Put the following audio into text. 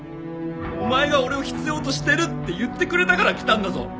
お前が俺を必要としてるって言ってくれたから来たんだぞ。